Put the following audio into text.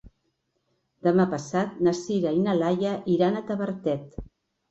Demà passat na Sira i na Laia iran a Tavertet.